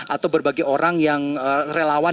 atau berbagai orang yang relawan